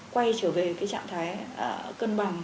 quay trở về cái trạng thái cân bằng